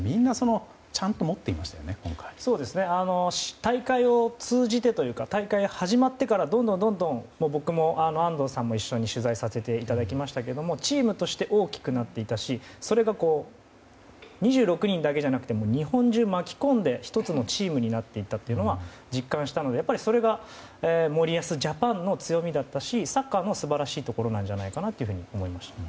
大会を通じてというか大会が始まってから僕も安藤さんも一緒に取材させていただきましたがどんどんチームとして大きくなっていたしそれが２６人だけじゃなくて日本中を巻き込んで１つのチームになっていたというのは実感したので、それがやっぱり森保ジャパンの強みだったしサッカーの素晴らしいところだと思いました。